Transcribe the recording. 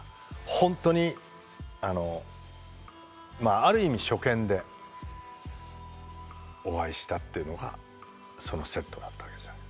ほんとにある意味初見でお会いしたっていうのがそのセットだったわけですよね。